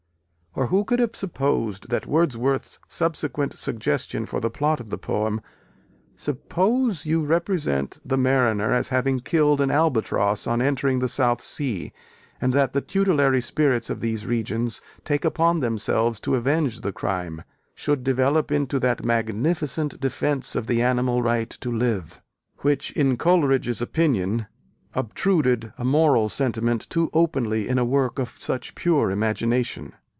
Or who could have supposed that Wordsworth's subsequent suggestion for the plot of the poem, "Suppose you represent the Mariner as having killed an Albatross on entering the South Sea, and that the tutelary spirits of these regions take upon themselves to avenge the crime," should develop into that magnificent defence of the animal right to live, which, in Coleridge's opinion, obtruded a moral sentiment too openly in a work of such pure imagination?